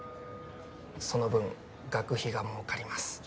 その分学費が儲かります